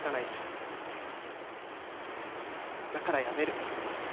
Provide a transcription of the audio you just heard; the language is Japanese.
だからやめる。